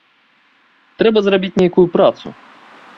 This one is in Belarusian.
Трэба зрабіць нейкую працу.